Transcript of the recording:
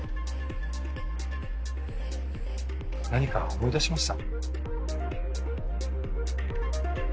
何か思い出しました？